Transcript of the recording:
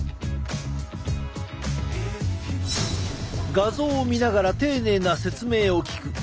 画像を見ながら丁寧な説明を聞く。